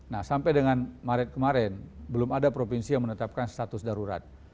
nah sampai dengan maret kemarin belum ada provinsi yang menetapkan status darurat